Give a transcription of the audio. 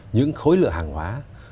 những khối lựa hàng hóa